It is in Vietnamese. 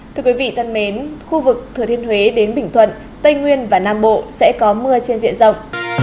thưa quý vị thân mến khu vực thừa thiên huế đến bình thuận tây nguyên và nam bộ sẽ có mưa trên diện rộng